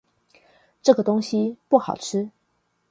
這個東西不好吃